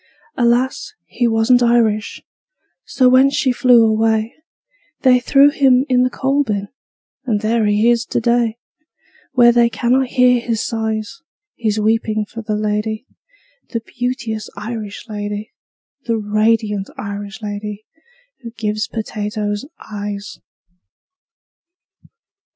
Alas, he wasn't Irish. So when she flew away, They threw him in the coal bin And there he is to day, Where they cannot hear his sighs His weeping for the lady, The beauteous Irish lady, The radiant Irish lady Who gives potatoes eyes."